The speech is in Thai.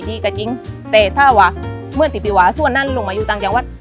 แต่จริงแต่ถ้าว่าเมื่อที่พี่หวานส่วนนั้นลงมาอยู่ต่างจังวัด